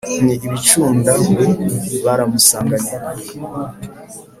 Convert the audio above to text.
n'i bucunda-mbu baramusanganira.